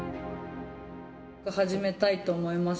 始めたいと思います。